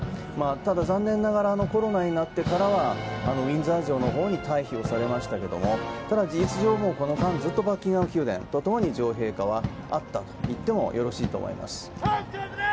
ただ、残念ながらコロナになってからはウィンザー城の方に退避をされましたがただ事実上この間ずっとバッキンガム宮殿ともに女王はあったといってよろしいと思います。